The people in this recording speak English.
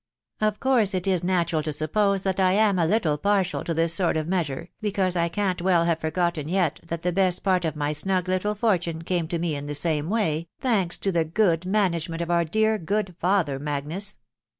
Of course, it is na tunl to suppose that I am a little D&ruaX to &n& wtt ot THE WIDOW BARNABY. 841 sure, because I can't well have forgotten yet that the best part of my snug little fortune came to me in the same way, thanks to the good management of our dear good father, Magnus.